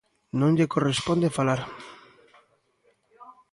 Non lle corresponde falar.